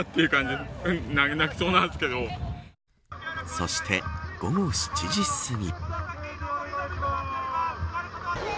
そして、午後７時すぎ。